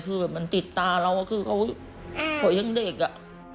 คือแบบมันติดตาเราคือเขายังเด็กอ่ะ